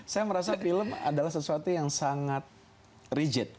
saya merasa film adalah sesuatu yang sangat rigid